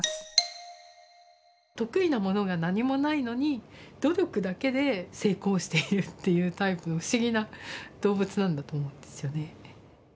得意なものが何もないのに努力だけで成功しているっていうタイプの不思議な動物なんだと思うんですよね。